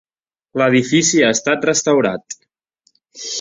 L'edifici ha estat restaurat.